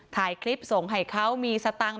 ถ่ายคลิปส่งให้เขามีสตังค์